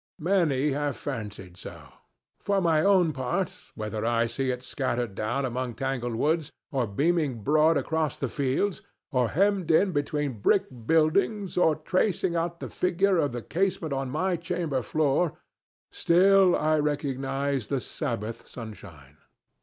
Many have fancied so. For my own part, whether I see it scattered down among tangled woods, or beaming broad across the fields, or hemmed in between brick buildings, or tracing out the figure of the casement on my chamber floor, still I recognize the Sabbath sunshine.